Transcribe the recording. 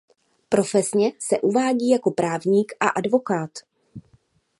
Profesně se uvádí jako právník a advokát.